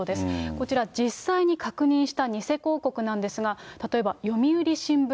こちら実際に確認した偽広告なんですが、例えば、読売新聞